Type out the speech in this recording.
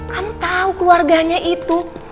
kamu tau keluarganya itu